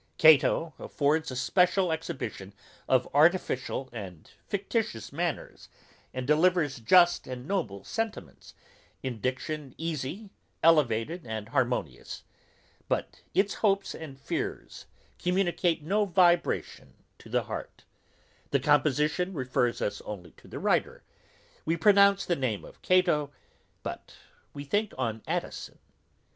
Cato affords a splendid exhibition of artificial and fictitious manners, and delivers just and noble sentiments, in diction easy, elevated and harmonious, but its hopes and fears communicate no vibration to the heart; the composition refers us only to the writer; we pronounce the name of Cato, but we think on Addison.